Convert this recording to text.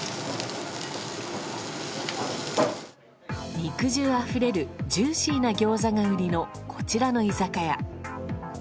肉汁あふれるジューシーなギョーザが売りのこちらの居酒屋。